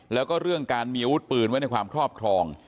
แล้วก็เรื่องการมีอาวุธปืนไว้ในความครอบครอง